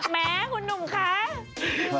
แม้คุณหนุ่มคะ